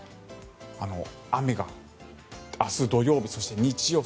雨が明日土曜日、そして日曜日